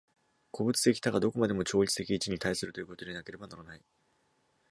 個物的多が何処までも超越的一に対するということでなければならない。